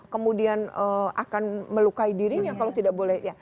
kemudian akan melukai dirinya kalau tidak boleh